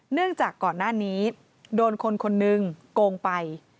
เนื่องจากก่อนหน้านี้โดนคนคนนึงโกงไป